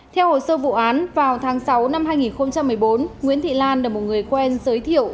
theo hồ sơ vụ án vào tháng sáu năm hai nghìn một mươi bốn nguyễn thị lan được một người quen giới thiệu